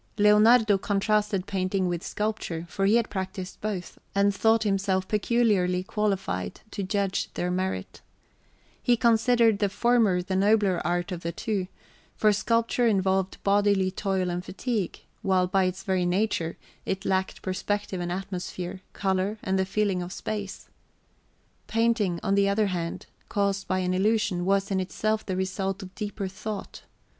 Leonardo contrasted painting with sculpture, for he had practised both, and thought himself peculiarly qualified to judge their merit. He considered the former the nobler art of the two, for sculpture involved bodily toil and fatigue, while by its very nature it lacked perspective and atmosphere, colour, and the feeling of space. Painting, on the other hand, caused by an illusion, was in itself the result of deeper thought.